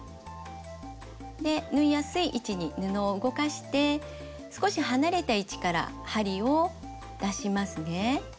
で縫いやすい位置に布を動かして少し離れた位置から針を出しますね。